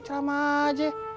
lu ceramah aja